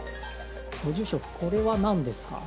ご住職これは何ですか？